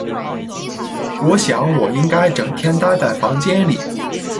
我想我应该整天呆在房间里